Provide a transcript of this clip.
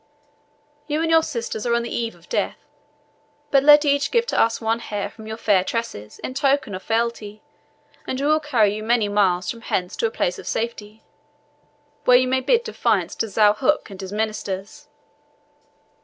You and your sisters are on the eve of death; but let each give to us one hair from your fair tresses, in token of fealty, and we will carry you many miles from hence to a place of safety, where you may bid defiance to Zohauk and his ministers.'